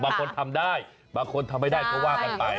บางคนทำได้บางคนทำไม่ได้ก็ว่ากันไป